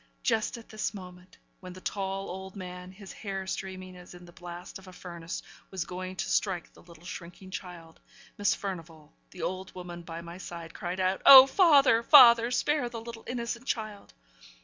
Just at this moment when the tall old man, his hair streaming as in the blast of a furnace, was going to strike the little shrinking child Miss Furnivall, the old woman by my side, cried out, 'Oh father! father! spare the little innocent child!'